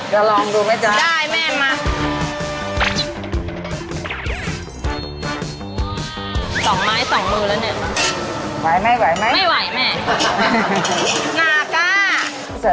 เราสั่งไก่แบบกี่กิโลอย่างเนี่ยค่ะแม่